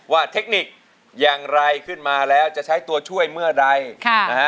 เทคนิคอย่างไรขึ้นมาแล้วจะใช้ตัวช่วยเมื่อใดนะฮะ